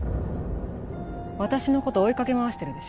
私の事追いかけ回してるでしょ？